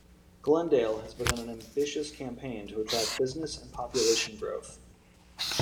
Glendale has begun an ambitious campaign to attract business and population growth.